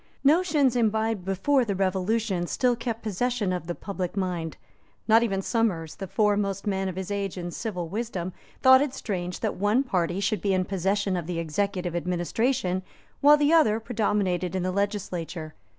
Notions imbibed before the Revolution still kept possession of the public mind. Not even Somers, the foremost man of his age in civil wisdom, thought it strange that one party should be in possession of the executive administration while the other predominated in the legislature.